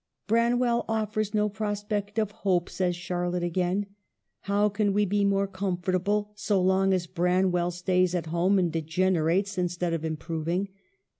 " Branwell offers no prospect of hope," says Char lotte, again. " How can we be more comfortable so long as Branwell stays at home and degener ates instead of improving